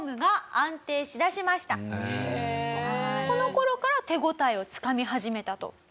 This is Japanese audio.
この頃から手応えをつかみ始めたと？